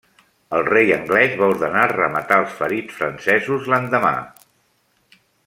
El rei anglès va ordenar rematar els ferits francesos l'endemà.